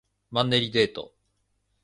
マンネリデート